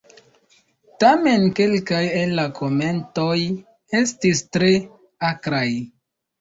Tamen kelkaj el la komentoj estis tre akraj.